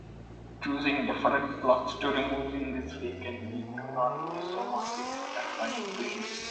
Choosing different blocks to remove in this way can lead to non-isomorphic affine planes.